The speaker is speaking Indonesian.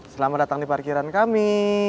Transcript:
selamat datang di parkiran kami